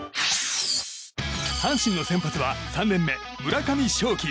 阪神の先発は３年目村上頌樹。